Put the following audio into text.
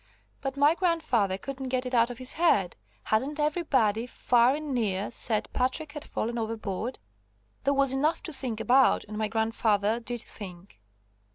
But my grandfather couldn't get it out of his head, hadn't everybody, far and near, said Patrick had fallen overboard. There was enough to think about, and my grandfather did think.